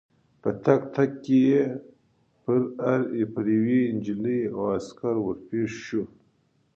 په تګ تګ کې پر یوې نجلۍ او عسکر ور پېښ شوو.